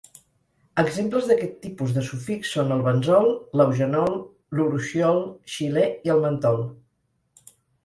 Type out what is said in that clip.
Exemples d'aquest tipus de sufix són el benzol, l'eugenol, l'urushiol, xilè, i el mentol.